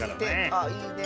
あっいいね。